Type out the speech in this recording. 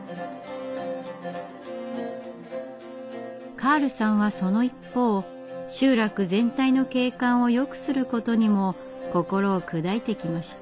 カールさんはその一方集落全体の景観をよくすることにも心を砕いてきました。